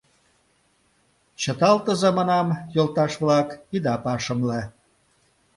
— Чыталтыза, манам, йолташ-влак, ида пашымле.